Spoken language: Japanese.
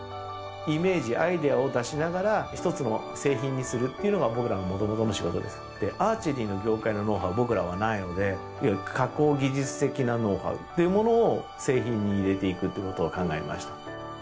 イメージアイデアを出しながら１つの製品にするっていうのが僕らのもともとの仕事です。でアーチェリーの業界のノウハウ僕らはないのでいわゆる加工技術的なノウハウというものを製品に入れていくってことを考えました。